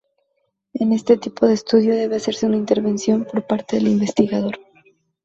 En este tipo de estudio debe hacerse una intervención por parte del investigador.